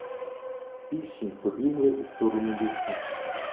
Піші побігли у сторону лісу.